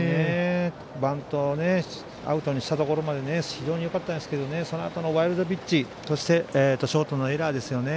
バントをアウトにしたところまで非常によかったんですけどそのあとのワイルドピッチとショートのエラーですよね。